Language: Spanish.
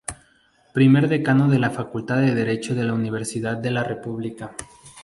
Primer Decano de la Facultad de Derecho de la Universidad de la República.